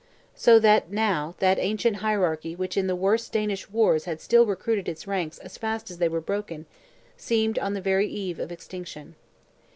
So that, now, that ancient hierarchy which in the worst Danish wars had still recruited its ranks as fast as they were broken, seemed on the very eve of extinction.